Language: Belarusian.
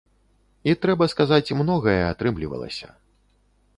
І трэба сказаць, многае атрымлівалася.